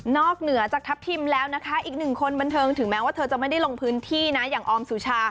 เหนือจากทัพทิมแล้วนะคะอีกหนึ่งคนบันเทิงถึงแม้ว่าเธอจะไม่ได้ลงพื้นที่นะอย่างออมสุชา